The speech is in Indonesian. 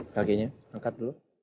kakinya angkat dulu